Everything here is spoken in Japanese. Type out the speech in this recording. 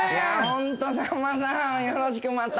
「ホントさんまさんよろしくまた。